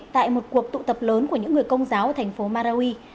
tại một cuộc tụ tập lớn của những người công giáo ở thành phố marawi